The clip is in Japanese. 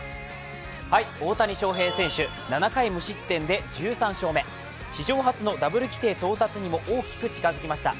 大谷翔平選手、７回無失点で１３勝目、史上初のダブル規定到達にも大きく近づきました。